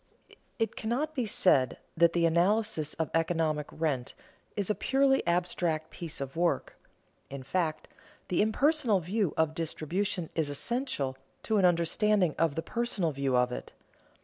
It cannot be said that the analysis of economic rent is a purely abstract piece of work. In fact, the impersonal view of distribution is essential to an understanding of the personal view of it.